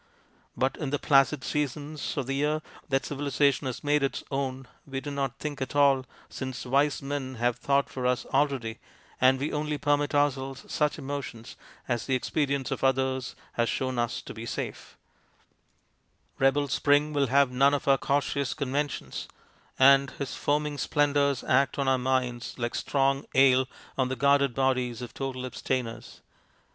But in the placid seasons of the year that civilization has made its own we do not think at all, since wise men have thought for us already, and we only permit ourselves such emotions as the ex perience of others has shown us to be safe. UNCOMFORTABLE SPRING 203 Rebel spring will have none of our cautious conventions, and his foaming splendours act on our minds like strong ale on the guarded bodies of total abstainers.